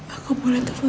aku boleh telpon